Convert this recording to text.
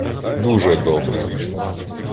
-Дуже добре.